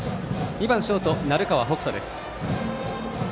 ２番ショート、鳴川北斗です。